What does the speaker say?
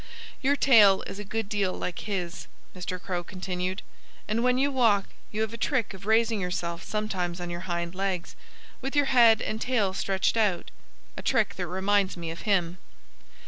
"Your tail is a good deal like his," Mr. Crow continued. "And when you walk you have a trick of raising yourself sometimes on your hind legs, with your head and tail stretched out a trick that reminds me of him."